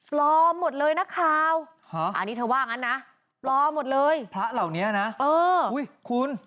ปลอมหมดเลยนักข่าวอันนี้เธอว่างั้นนะปลอมหมดเลยพระเหล่านี้นะเอออุ้ยคุณ